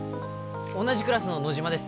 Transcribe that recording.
同じクラスの野島です